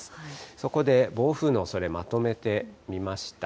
そこで暴風のおそれ、まとめてみました。